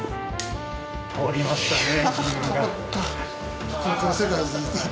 「通りましたね」。